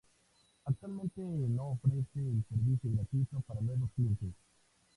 Actualmente no ofrece el servicio gratuito para nuevos clientes.